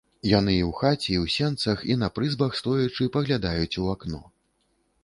Яны і ў хаце, і ў сенцах, і на прызбах стоячы паглядаюць у акно.